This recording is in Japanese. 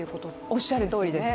おっしゃるとおりです。